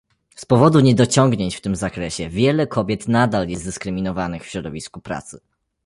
Z powodu niedociągnięć w tym zakresie wiele kobiet nadal jest dyskryminowanych w środowisku pracy